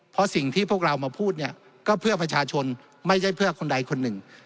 เพราะสิ่งที่พวกเรามาพูดเนี่ยก็เพื่อประชาชนไม่ใช่เพื่อคนใดคนหนึ่ง